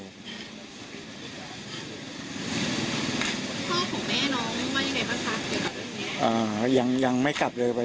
ลูกพ่อของแม่น้องไปไหนบ้างคะอยากกลับแบบนี้อ่ายังยังไม่กลับเลย